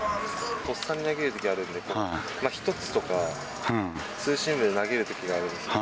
とっさに投げるときあるんで、こう、１つとか、ツーシームで投げるときがあるんですよ。